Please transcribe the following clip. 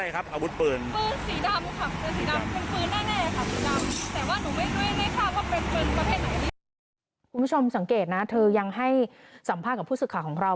คุณผู้ชมสังเกตนะเธอยังให้สัมภาษณ์กับผู้สื่อข่าวของเรา